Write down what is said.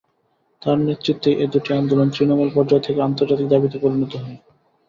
তাঁর নেতৃত্বেই এ দুটি আন্দোলন তৃণমূল পর্যায় থেকে আন্তর্জাতিক দাবিতে পরিণত হয়।